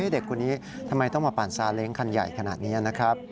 เด็กคนนี้ทำไมต้องมาปั่นซาเล้งคันใหญ่ขนาดนี้นะครับ